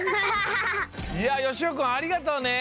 いやよしおくんありがとうね。